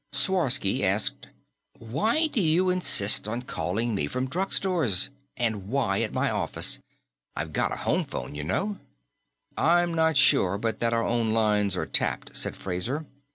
Sworsky asked, "Why do you insist on calling me from drugstores? And why at my office? I've got a home phone, you know." "I'm not sure but that our own lines are tapped," said Fraser.